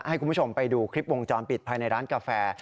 ให้คุณผู้ชมไปดูคลิปวงจรปิดภายในร้านกาแฟ